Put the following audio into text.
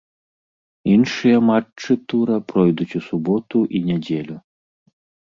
Іншыя матчы тура пройдуць у суботу і нядзелю.